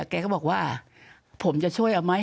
แกก็บอกว่าผมจะช่วยเอาไหม